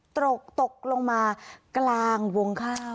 ตกลงมากลางวงข้าว